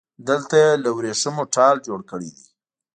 دلته يې له وريښمو ټال جوړ کړی دی